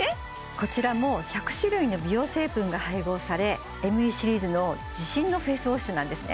こちらも１００種類の美容成分が配合されＭＥシリーズの自信のフェイスウォッシュなんですね